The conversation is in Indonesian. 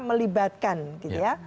melibatkan gitu ya